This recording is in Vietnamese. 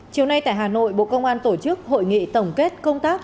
chiều nay tại hà nội bộ công an tổ chức hội nghị tổng kết công tác